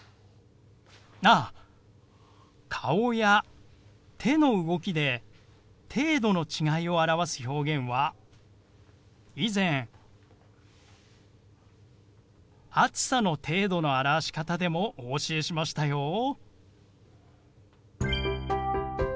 あ顔や手の動きで程度の違いを表す表現は以前暑さの程度の表し方でもお教えしましたよ。